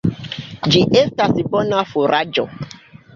Ĝi estas bona furaĝo.